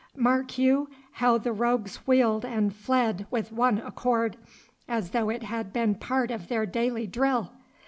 Mark you how the rogues wheeled and fled with one accord, as though it had been part of their daily drill!